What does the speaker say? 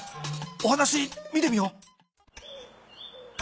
お話見てみよう。